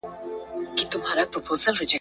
غلامان دي خپل بادار ته ډېروه یې ,